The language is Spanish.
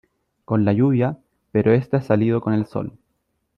con la lluvia , pero este ha salido con el sol